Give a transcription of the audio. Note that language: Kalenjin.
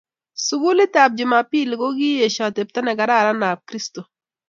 Sukulit ab jumambili kokiesha atepto ne kararan ab kirsto